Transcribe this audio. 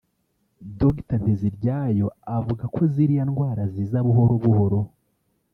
Dr Nteziryayo avuga ko ziriya ndwara ziza buhoro buhoro